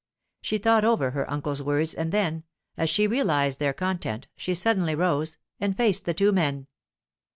She thought over her uncle's words, and then, as she realized their content, she suddenly rose, and faced the two men.